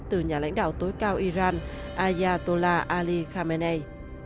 từ nhà lãnh đạo tối cao iran ayatola ali khamenei